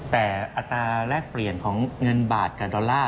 แต่อัตราแรกเปลี่ยนของเงินบาทกับดอลลาร์